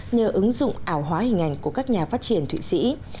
nhờ ứng dụng ảo hóa hình ảnh của các nhà phát triển thụy sĩ